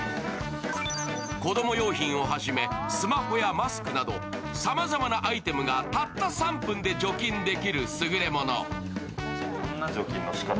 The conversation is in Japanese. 子供用品をはじめスマホやマスクなどさまざまなアイテムがたった３分で除菌できるすぐれもの。